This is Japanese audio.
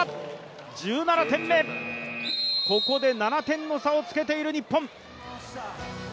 ここで７点の差をつけている日本。